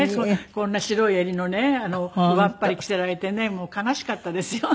こんな白い襟のね上っ張り着せられてねもう悲しかったですよ。